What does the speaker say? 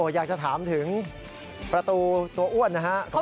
อยากจะถามถึงประตูตัวอ้วนนะครับ